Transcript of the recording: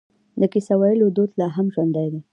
د کیسه ویلو دود لا هم ژوندی دی.